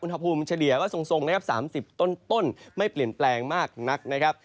อุณหภูมิเฉลี่ยก็ทรงนะครับ๓๐ต้นไม่เปลี่ยนแปลงมากนักนะครับ